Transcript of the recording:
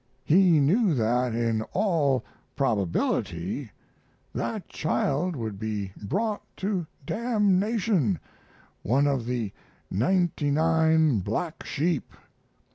He knew that in all probability that child would be brought to damnation one of the ninety nine black sheep.